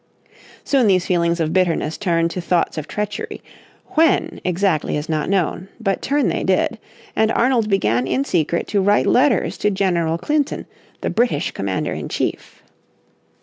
Soon these feelings of bitterness turned to thoughts of treachery, when exactly is not known. But turn they did, and Arnold began in secret to write letters to General Clinton, the British commander in chief.